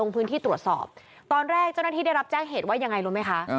เพราะฉะนั้นที่ได้รับแจ้งเหตุว่ายังไงรู้ไหมคะ